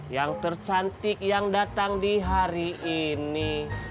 yang tercantik yang datang di hari ini